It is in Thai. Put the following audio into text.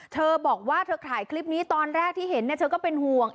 เธอบอกว่าเธอถ่ายคลิปนี้ตอนแรกที่เห็นเธอก็เป็นห่วง